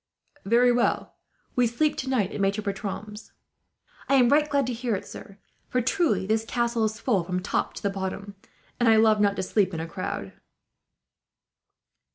"Very well. We sleep tonight at Maitre Bertram's." "I am right glad to hear it, sir; for truly this castle is full from the top to the bottom, and I love not to sleep in a crowd."